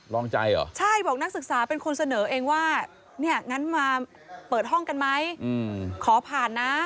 รองใจเหรอใช่บอกนักศึกษาเป็นคนเสนอเองว่าเนี่ยงั้นมาเปิดห้องกันไหมขอผ่านนะ